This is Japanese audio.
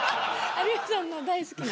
有吉さんの大好きな。